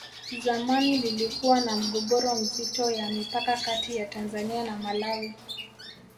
zamani lilikuwa na mgogoro mzito ya mipaka Kati ya tanzania na malawi